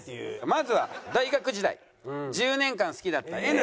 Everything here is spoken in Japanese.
まずは大学時代１０年間好きだったＮさん。